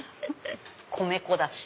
⁉米粉だし。